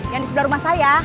yang di sebelah rumah saya